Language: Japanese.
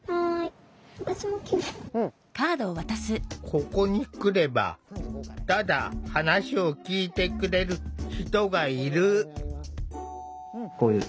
ここに来ればただ話を聴いてくれる人がいる。